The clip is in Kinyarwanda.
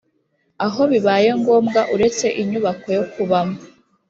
aho bibaye ngombwa uretse inyubako yo kubamo